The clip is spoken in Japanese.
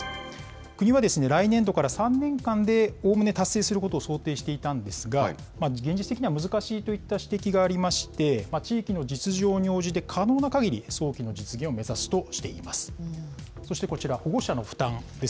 国は来年度から３年間でおおむね達成することを想定していたんですが、現実的には難しいといった指摘がありまして、地域の実情に応じて、可能なかぎり早期の実現を目指すとしています。